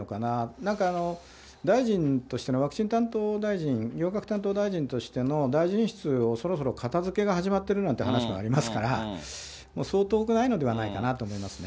なんか、大臣としての、ワクチン担当大臣、行革担当大臣としての、大臣室をそろそろ片づけが始まってるなんて話もありますから、そう遠くないのではないかなと思いますね。